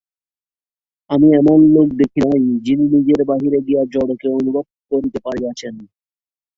আমি এমন লোক দেখি নাই, যিনি নিজের বাহিরে গিয়া জড়কে অনুভব করিতে পারিয়াছেন।